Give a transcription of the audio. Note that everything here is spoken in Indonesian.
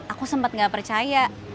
aku sempet gak percaya